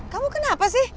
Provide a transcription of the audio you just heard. kamu kenapa sih